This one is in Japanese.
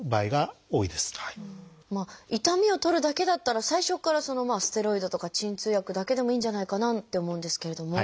痛みを取るだけだったら最初からステロイドとか鎮痛薬だけでもいいんじゃないかなって思うんですけれども。